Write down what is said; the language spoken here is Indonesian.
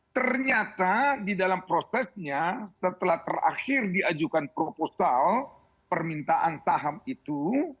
ternyata di dalam prosesnya setelah terakhir diajukan proposal permintaan saham itu